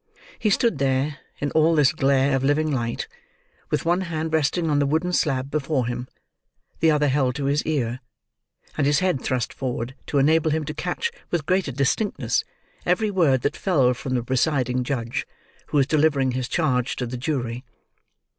He stood there, in all this glare of living light, with one hand resting on the wooden slab before him, the other held to his ear, and his head thrust forward to enable him to catch with greater distinctness every word that fell from the presiding judge, who was delivering his charge to the jury.